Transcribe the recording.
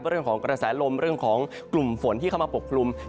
เรื่องของกระแสลมเรื่องของกลุ่มฝนที่เข้ามาปกคลุม